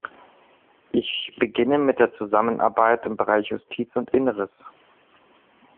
Ich beginne mit der Zusammenarbeit im Bereich Justiz und Inneres.